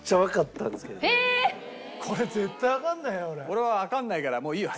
俺はわかんないからもういいわ。